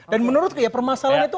dan menurutku ya permasalahannya